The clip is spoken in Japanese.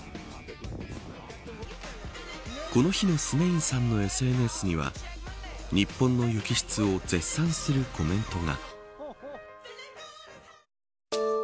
この日のスメインさんのＳＮＳには日本の雪質を絶賛するコメントが。